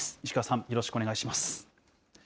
石川さん、よろしくお願いします。